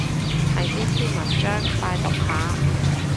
係邊篇文章？拜讀下